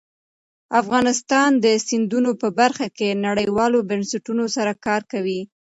افغانستان د سیندونه په برخه کې نړیوالو بنسټونو سره کار کوي.